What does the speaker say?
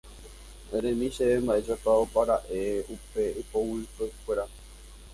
Eremi chéve mba'éichapa opara'e upe ipoguypekuéra